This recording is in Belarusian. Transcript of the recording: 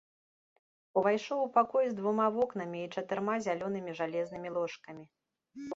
Увайшоў у пакой з двума вокнамі і чатырма залёнымі жалезнымі ложкамі.